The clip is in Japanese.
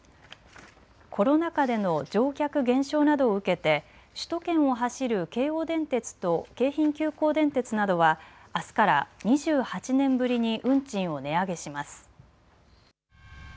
コロナ禍での乗客減少などを受けて首都圏を走る京王電鉄と京浜急行電鉄などはあすから２８年ぶりに運賃を値上げします。